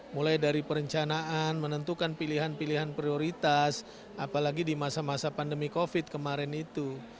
mulai dari perencanaan menentukan pilihan pilihan prioritas apalagi di masa masa pandemi covid kemarin itu